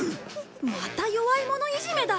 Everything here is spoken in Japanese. また弱い者いじめだ。